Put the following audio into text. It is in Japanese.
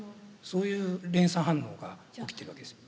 そういう連鎖反応が起きてるわけです。